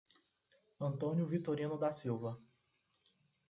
Antônio Vitorino da Silva